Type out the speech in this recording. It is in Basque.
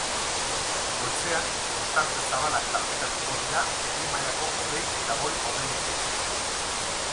Goizean ostarte zabalak tartekatuko dira erdi mailako hodei eta goi-hodeiekin.